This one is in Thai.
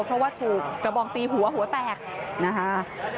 เพราะว่าถูกกระบองตีหัวหัวแตกนะคะ